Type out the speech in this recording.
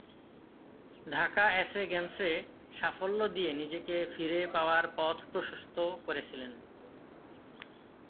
Dhaka SA গেমসে সাফল্য দিয়ে নিজেকে ফিরে পাওয়ার পথ প্রশস্ত করেছিলেন।